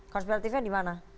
konspiratifnya di mana